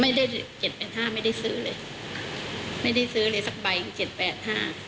ไม่ได้เจ็ดแบบมาซึ้อเลยไม่ได้ซึ้อเลยสักใบ๗๘๕